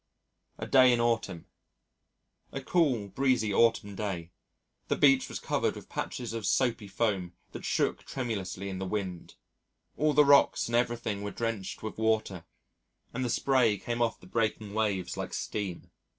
A Day in Autumn A cool, breezy autumn day. The beach was covered with patches of soapy foam that shook tremulously in the wind all the rocks and everything were drenched with water, and the spray came off the breaking waves like steam.